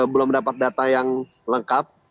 belum mendapat data yang lengkap